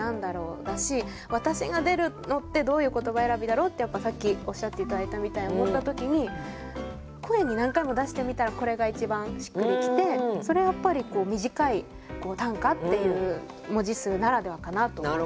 だし「私が出るのってどういう言葉選びだろう？」ってさっきおっしゃって頂いたみたいに思った時に声に何回も出してみたらこれが一番しっくり来てそれはやっぱり短い短歌っていう文字数ならではかなと思って。